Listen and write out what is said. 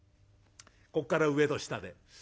こっから上と下で。